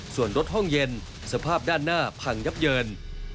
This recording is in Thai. ส่วนรถห้องเย็นสภาพด้านหน้าพังยับเยิน